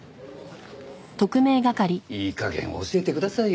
いい加減教えてくださいよ。